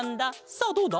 さあどうだ？